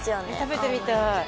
食べてみたい